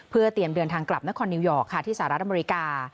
เพื่อเตรียมเดินทางกลับนครนิวยอร์กค่ะที่สหรัฐอเมริกา